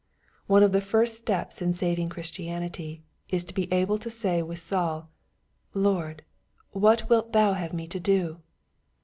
One of the first steps in saving Christianity is to be able to say with Saul, ''Lord, what wilt thou have me to do